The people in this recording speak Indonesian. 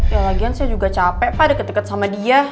ya lagian saya juga capek pak deket deket sama dia